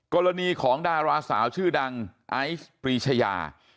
กรณีของดาราสาวชื่อดังไอซ์ปรีชายา